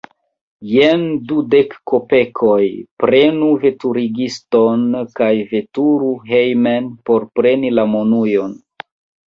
Jen dudek kopekoj; prenu veturigiston kaj veturu hejmen, por preni la monujon.